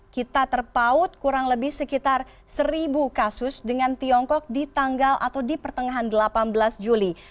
kita terpaut kurang lebih sekitar seribu kasus dengan tiongkok di tanggal atau di pertengahan delapan belas juli